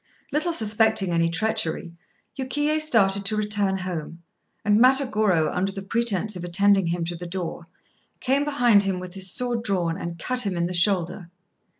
Little suspecting any treachery, Yukiyé started to return home, and Matagorô, under the pretence of attending him to the door, came behind him with his sword drawn and cut him in the shoulder.